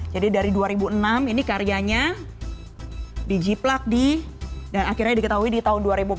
jadi dari dua ribu enam ini karyanya dijiplak di dan akhirnya diketahui di tahun dua ribu empat belas